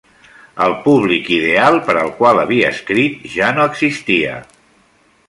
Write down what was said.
El públic ideal per al qual havia escrit ja no existia.